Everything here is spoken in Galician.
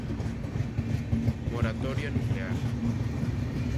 Moratoria nuclear.